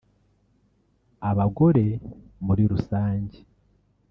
Abagore muri rusange